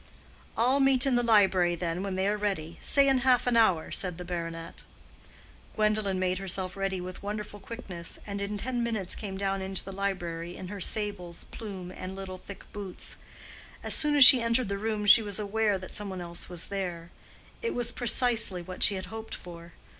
"All meet in the library, then, when they are ready—say in half an hour," said the baronet. Gwendolen made herself ready with wonderful quickness, and in ten minutes came down into the library in her sables, plume, and little thick boots. As soon as she entered the room she was aware that some one else was there: it was precisely what she had hoped for.